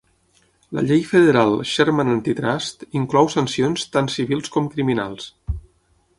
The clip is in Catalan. La Llei federal Sherman Antitrust inclou sancions tant civils com criminals.